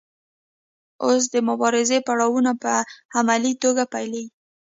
اوس د مبارزې پړاوونه په عملي توګه پیلیږي.